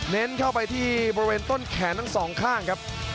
เน้นเข้าไปที่บริเวณต้นแขนทั้งสองข้างครับ